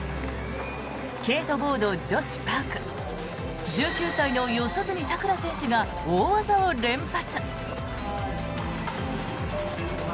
スケートボード女子パーク１９歳の四十住さくら選手が大技を連発。